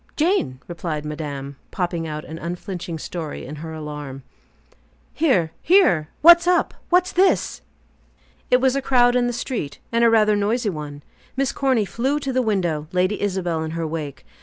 "Jane," replied madame, popping out an unflinching story in her alarm. "Here! Here! What's up? What's this?" It was a crowd in the street, and rather a noisy one. Miss Corny flew to the window, Lady Isabel in her wake.